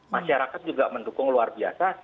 masyarakat juga mendukung luar biasa